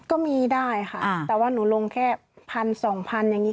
ก็มีได้ค่ะแต่ว่าหนูลงแค่๑๐๐๐๒๐๐๐อย่างนี้